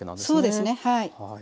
そうですねはい。